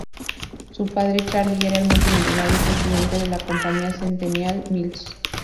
Su padre, Charlie, era el multimillonario presidente de la Compañía Centennial Mills.